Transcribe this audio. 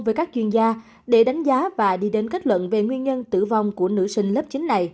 với các chuyên gia để đánh giá và đi đến kết luận về nguyên nhân tử vong của nữ sinh lớp chín này